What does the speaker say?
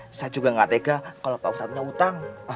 saya juga gak tega kalo pak ustadz punya utang